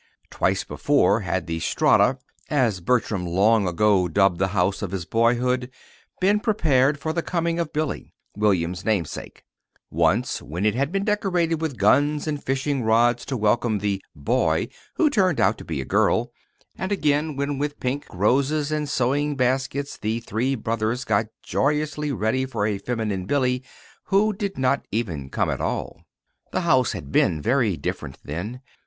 Twice before had the Strata as Bertram long ago dubbed the home of his boyhood been prepared for the coming of Billy, William's namesake: once, when it had been decorated with guns and fishing rods to welcome the "boy" who turned out to be a girl; and again when with pink roses and sewing baskets the three brothers got joyously ready for a feminine Billy who did not even come at all. The house had been very different then.